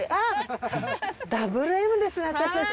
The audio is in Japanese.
ダブルＭですね私たち。